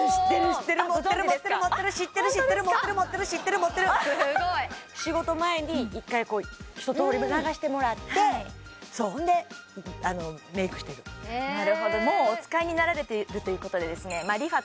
知ってる知ってる知ってる持ってる持ってる持ってる仕事前に一回ひととおり流してもらってほんでメイクしてるなるほどもうお使いになられてるということでですねＲｅＦａ